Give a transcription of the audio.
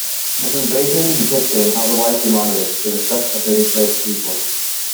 This is basically depicting how the whites demanded the respect of the enslaved people.